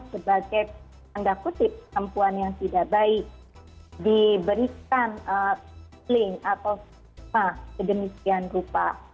sebagai tanda kutip perempuan yang tidak baik diberikan link atau sedemikian rupa